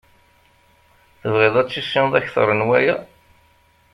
Tebɣiḍ ad tissineḍ akter n waya.